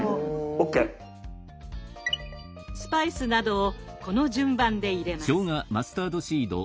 スパイスなどをこの順番で入れます。